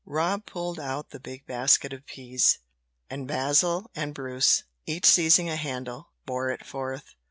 Rob pulled out the big basket of peas, and Basil and Bruce, each seizing a handle, bore it forth.